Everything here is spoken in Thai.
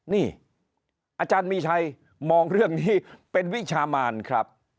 นี่อาจารย์มีชัยมองเรื่องนี้เป็นวิชามานครับ